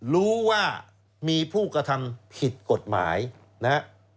รู้ว่ามีผู้กระทำผิดกฎหมายนะฮะ